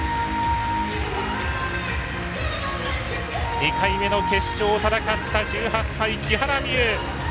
２回目の決勝を戦った１８歳、木原美悠。